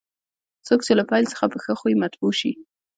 څوک چې له پیل څخه په ښه خوی مطبوع شي.